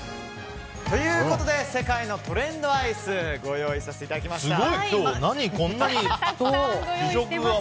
世界のトレンドアイスご用意させていただきました。